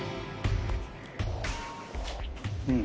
うん。